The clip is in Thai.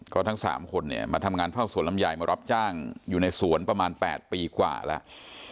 ก็ทั้ง๓คนเนี่ยมาทำงานเฝ้าสวนลำไยมารับจ้างอยู่ในสวนประมาณ๘ปีกว่าแล้ว